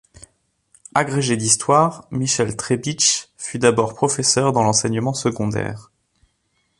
Agrégé d'histoire, Michel Trebitsch fut d'abord professeur dans l'enseignement secondaire.